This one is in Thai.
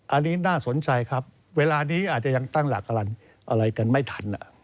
อันนี้น่าสนใจครับเวลานี้อาจจะยังตั้งหลักอะไรกันไม่ทัน